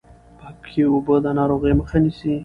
پاکې اوبه د ناروغیو مخه نیسي۔